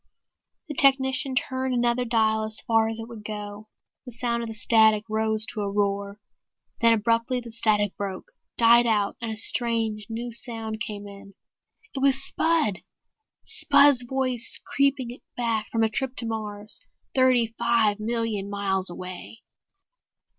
The technician turned another dial as far as it would go. The sound of the static rose to a roar. Then abruptly the static broke, died out and a strange new sound came in. It was Spud! Spud's voice creeping back from a trip to Mars, thirty five million miles away!